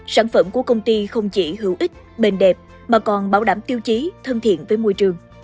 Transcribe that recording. sản phẩm của công ty không chỉ hữu ích bền đẹp mà còn bảo đảm tiêu chí thân thiện với môi trường